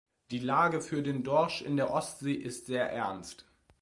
Die Lage für den Dorsch in der Ostsee ist sehr ernst.